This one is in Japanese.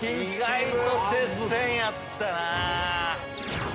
意外と接戦やったなぁ。